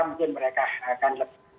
mungkin mereka akan